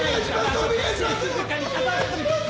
お願いします！